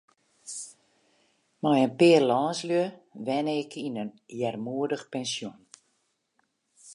Mei in pear lânslju wenne ik yn in earmoedich pensjon.